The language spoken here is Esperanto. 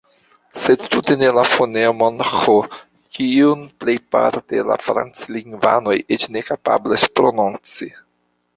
Sed tute ne la fonemon Ĥ, kiun plejparte la franclingvanoj eĉ ne kapablas prononci.